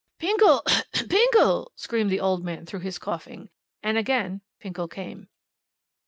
"Pinkle, Pinkle!" screamed the old man through his coughing; and again Pinkle came.